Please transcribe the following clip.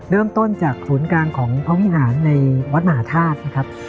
เริ่มต้นจากศูนย์กลางของพระวิหารในวัดมหาธาตุนะครับ